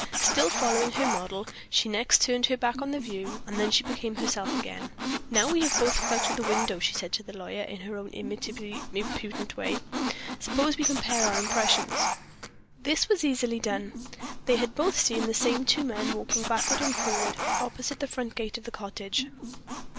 Still following her model, she next turned her back on the view and then she became herself again. "Now we have both looked out of window," she said to the lawyer, in her own inimitably impudent way, "suppose we compare our impressions." This was easily done. They had both seen the same two men walking backward and forward, opposite the front gate of the cottage.